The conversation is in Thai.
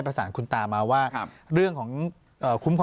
ปากกับภาคภูมิ